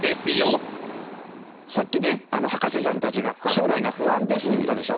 さっきね博士ちゃんたちが将来が不安ですって言ったでしょ。